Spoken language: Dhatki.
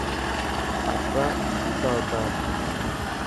آپرا جوتا اوتار.